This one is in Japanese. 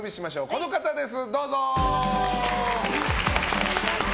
この方です。